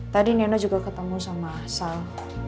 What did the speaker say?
tadi nino juga ketemu sama sal